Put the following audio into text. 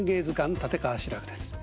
立川志らくです。